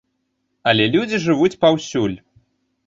Але людзі жывуць паўсюль.